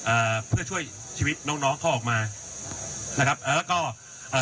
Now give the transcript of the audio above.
อ่าเพื่อช่วยชีวิตน้องน้องเขาออกมานะครับเอ่อแล้วก็เอ่อ